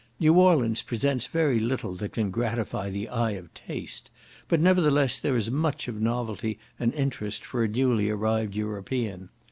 New Orleans presents very little that can gratify the eye of taste, but nevertheless there is much of novelty and interest for a newly arrived European.